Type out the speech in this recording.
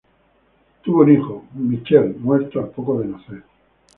Tuvo un hijo, Michel, muerto al poco de nacer.